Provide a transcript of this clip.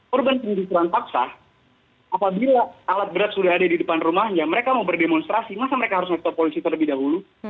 korban penggusuran paksa apabila alat berat sudah ada di depan rumahnya mereka mau berdemonstrasi masa mereka harus mengetahui polisi terlebih dahulu